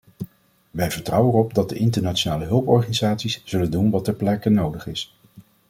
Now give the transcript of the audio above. Wij vertrouwen erop dat de internationale hulporganisaties zullen doen wat ter plekke nodig is.